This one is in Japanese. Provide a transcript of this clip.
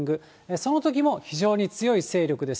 そのときも非常に強い勢力です。